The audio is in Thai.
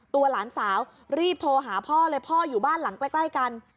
หลานสาวรีบโทรหาพ่อเลยพ่ออยู่บ้านหลังใกล้กัน